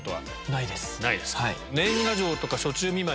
ないです。